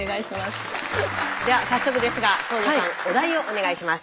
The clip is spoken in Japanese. では早速ですが神野さんお題をお願いします。